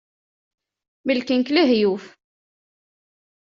Melken-k lehyuf.